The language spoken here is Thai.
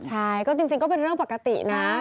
ใช่ก็จริงก็เป็นเรื่องปกตินะ